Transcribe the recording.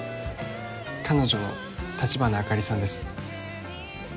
彼女の立花あかりさんです